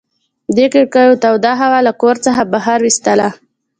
دې کړکیو توده هوا له کور څخه بهر ویستله.